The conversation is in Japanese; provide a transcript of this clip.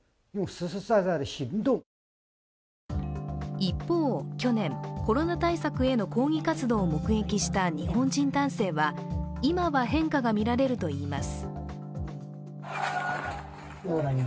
一方、去年、コロナ対策への抗議活動を目撃した日本人男性は今は変化が見られるといいます。